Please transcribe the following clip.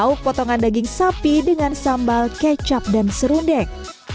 lauk potongan daging sapi dengan sambal kecap dan serundeng